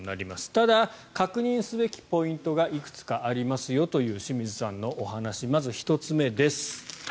ただ、確認すべきポイントがいくつかありますよという清水さんのお話まず１つ目です。